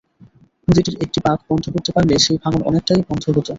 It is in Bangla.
নদীটির একটি বাঁক বন্ধ করতে পারলে সেই ভাঙন অনেকটাই বন্ধ হতো।